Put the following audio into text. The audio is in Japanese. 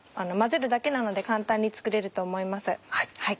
混ぜるだけなので簡単に作れると思います。